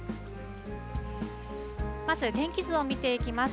まず天気図を見ていきます。